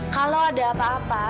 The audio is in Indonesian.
kalau ada apa apa